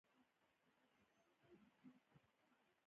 زه د خپلې کورنۍ لپاره زده کړه شریکوم.